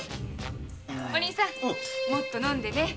お兄さんもっと飲んで。